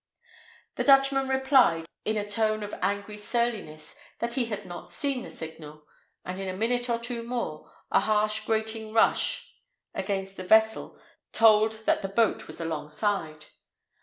The Dutchman replied, in a tone of angry surliness, that he had not seen their signal; and in a minute or two more, a harsh grating rush against the vessel told that the boat was alongside.